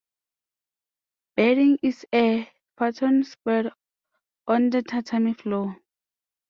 Bedding is a futon spread out on the tatami floor.